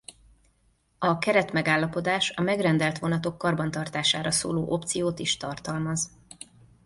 A keret megállapodás a megrendelt vonatok karbantartására szóló opciót is tartalmaz.